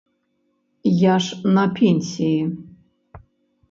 Я ж на пенсіі.